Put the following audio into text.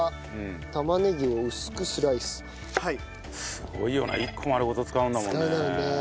すごいよな１個丸ごと使うんだもんね。